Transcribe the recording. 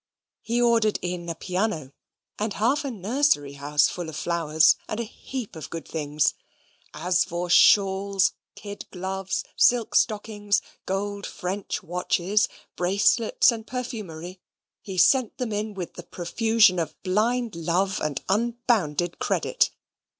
He ordered in a piano, and half a nursery house full of flowers: and a heap of good things. As for shawls, kid gloves, silk stockings, gold French watches, bracelets and perfumery, he sent them in with the profusion of blind love and unbounded credit.